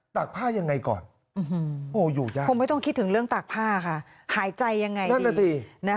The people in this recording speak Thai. ตากผ้ายังไงก่อนโหอยู่ยากผมไม่ต้องคิดถึงเรื่องตากผ้าค่ะหายใจยังไงดี